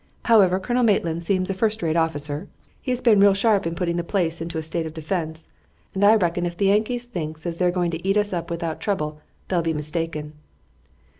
However, Colonel Maitland seems a first rate officer. He has been real sharp in putting the place into a state of defense, and I reckon ef the Yankees thinks as they're going to eat us up without trouble they'll be mistaken."